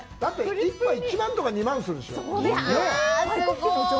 １杯、１万とか、２万とかするでしょう？